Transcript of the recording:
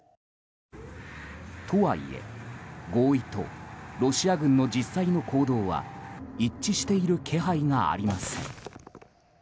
とはいえ合意とロシア軍の実際の行動は一致している気配がありません。